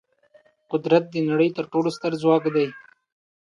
قدرت د نړۍ تر ټولو ستر ځواک دی.